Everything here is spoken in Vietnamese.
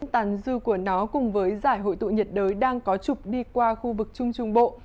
tàn dư của nó cùng với giải hội tụ nhiệt đới đang có trục đi qua khu vực trung trung bộ